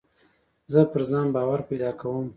زه پر ځان باور پیدا کوم.